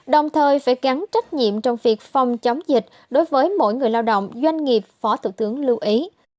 đồng thời phải gắn trách nhiệm trong việc phòng chống dịch đối với mỗi người lao động doanh nghiệp phó thủ tướng lưu ý